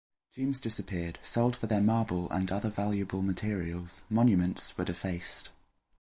Tombs disappeared, sold for their marble and other valuable materials; monuments were defaced.